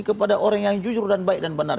kepada orang yang jujur dan baik dan benar